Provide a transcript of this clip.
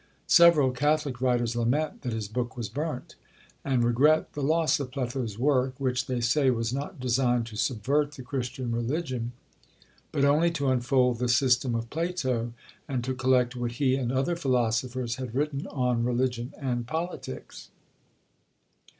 Several Catholic writers lament that his book was burnt, and regret the loss of Pletho's work; which, they say, was not designed to subvert the Christian religion, but only to unfold the system of Plato, and to collect what he and other philosophers had written on religion and politics.